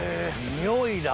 においだ！